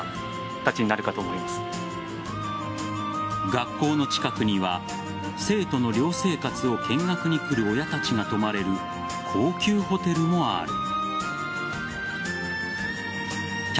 学校の近くには生徒の寮生活を見学に来る親たちが泊まれる高級ホテルもある。